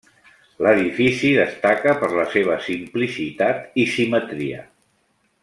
L'edifici destaca per la seva simplicitat i simetria.